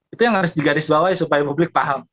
itu yang harus digaris bawah supaya publik paham